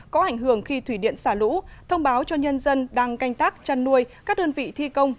có ảnh hưởng khi thủy điện xả lũ thông báo cho nhân dân đang canh tác chăn nuôi các đơn vị thi công